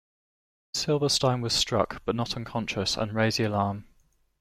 Sylberstein was struck but not unconscious, and raised the alarm.